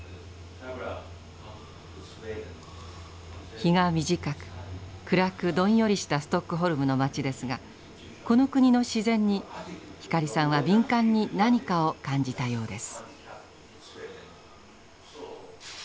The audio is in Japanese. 日が短く暗くどんよりしたストックホルムの街ですがこの国の自然に光さんは敏感に何かを感じたようです。